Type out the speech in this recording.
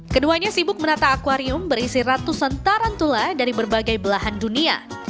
keduanya sibuk menata akwarium berisi ratusan tarantula dari berbagai belahan dunia